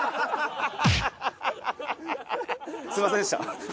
すみませんでした。